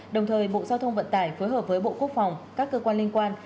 đồng thời bộ giao thông vận tải phối hợp với bộ quốc phòng các cơ quan liên quan